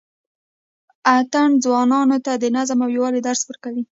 اتڼ ځوانانو ته د نظم او یووالي درس ورکوي.